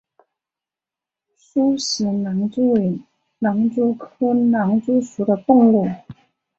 苏氏狼蛛为狼蛛科狼蛛属的动物。